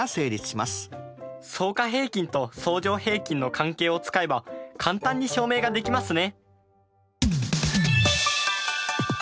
相加平均と相乗平均の関係を使えば簡単に証明ができますね。